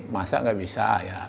masak gak bisa ya